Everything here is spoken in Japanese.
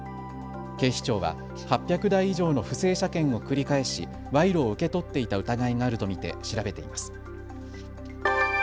警視庁は８００台以上の不正車検を繰り返し賄賂を受け取っていた疑いがあると見て調べています。